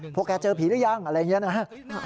พวกแกเจอผีหรือยังอะไรอย่างนี้นะฮะ